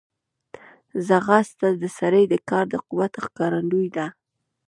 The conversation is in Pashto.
ځغاسته د سړي د کار د قوت ښکارندوی ده